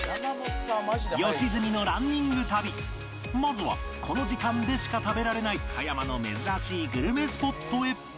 良純のランニング旅まずはこの時間でしか食べられない葉山の珍しいグルメスポットへ